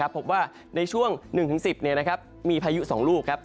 พบว่าในช่วง๑๑๐มีพายุ๒ลูกครับ